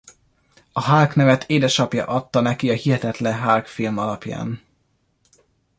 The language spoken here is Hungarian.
A Hulk nevet édesapja adta neki a Hihetetlen Hulk film alapján.